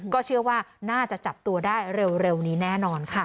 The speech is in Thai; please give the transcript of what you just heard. ก็เชื่อว่าน่าจะจับตัวได้เร็วนี้แน่นอนค่ะ